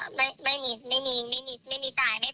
เขาเรียกสองหมื่นอันนี้มันก็ไม่มีไม่มีไม่มีไม่มีไม่มีจ่ายไม่พอ